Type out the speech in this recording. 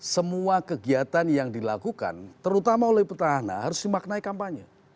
semua kegiatan yang dilakukan terutama oleh petahana harus dimaknai kampanye